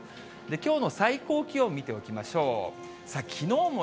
きょうの最高気温見ておきましょう。